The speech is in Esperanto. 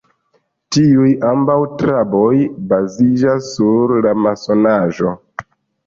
Tiuj ambaŭ traboj baziĝas sur la masonaĵo.